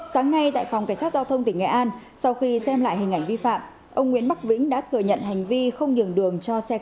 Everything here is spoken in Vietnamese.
sáng nay tại phòng cảnh sát giao thông tỉnh nghệ an sau khi xem lại hình ảnh vi phạm